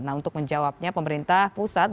nah untuk menjawabnya pemerintah pusat